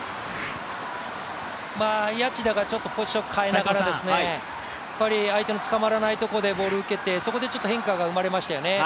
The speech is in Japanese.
谷内田がポジションを変えながら相手の捕まらないところでボールを受けて、そこで変化が生まれましたよね。